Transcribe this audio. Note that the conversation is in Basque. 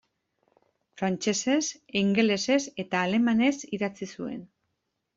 Frantsesez, ingelesez eta alemanez idatzi zuen.